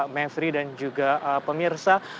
mephri dan juga pemirsa